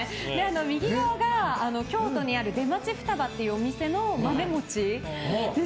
右側が京都にある出町ふたばというお店の豆餅で。